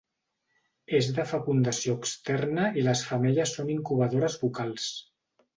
És de fecundació externa i les femelles són incubadores bucals.